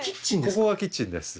ここがキッチンです。